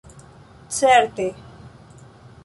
certe